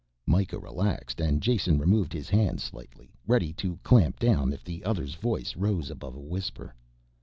Mikah relaxed and Jason removed his hand slightly, ready to clamp down if the other's voice rose above a whisper.